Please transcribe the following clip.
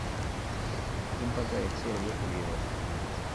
by'imbaga yakereye ibirori